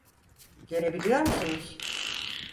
Görebiliyor musunuz?